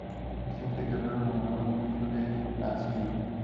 Vicente Guerrero lo nombró ministro de Hacienda.